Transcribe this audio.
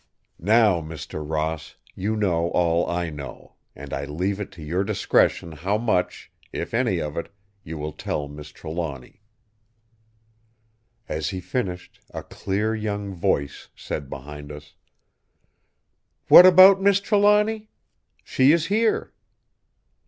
"Now, Mr. Ross, you know all I know; and I leave it to your discretion how much, if any of it, you will tell Miss Trelawny." As he finished a clear young voice said behind us: "What about Miss Trelawny? She is here!"